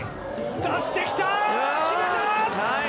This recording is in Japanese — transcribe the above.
出してきた、決めた！